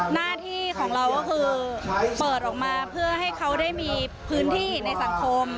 หน้าที่ของเราก็คือเปิดออกมาเพื่อให้เขาได้มีพื้นที่ในสังคม